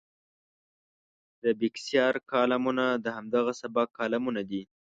د بېکسیار کالمونه د همدغه سبک کالمونه دي.